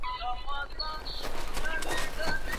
هغه ډاکټر چي زموږ پاڼه وړاندي کوي، مسلکي دی.